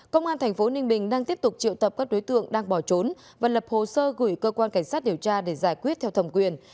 công an tp ninh bình đang tiếp tục triệu tập các đối tượng đang bỏ trốn và lập hồ sơ gửi cơ quan cảnh sát điều tra để giải quyết theo thẩm quyền